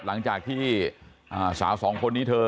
หลังจากที่สาวสองคนนี้เธอ